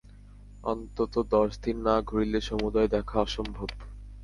অন্তত দশ দিন না ঘুরিলে সমুদয় দেখা অসম্ভব।